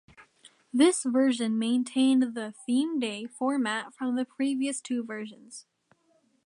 This version maintained the "theme day" format from the previous two versions.